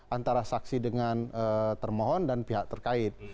antara saksi dengan termohon dan pihak terkait